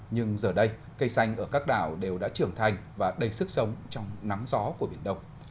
nhưng giờ đây cây xanh ở các đảo đều đã trưởng thành và đầy sức sống trong nắng gió của biển đông